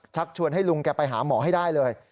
ชวนให้ลุงแกไปหาหมอให้ได้เลย